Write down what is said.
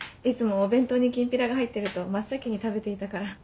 お弁当にきんぴらが入ってると真っ先に食べていたから。